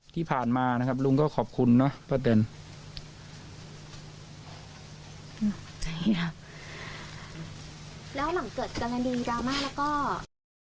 ที่ผ่านมานะครับลุงก็ขอบคุณนะป้าแตน